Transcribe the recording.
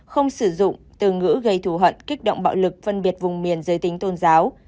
không sử dụng từ ngữ gây thù hận kích động bạo lực phân biệt vùng miền giới tính tôn giáo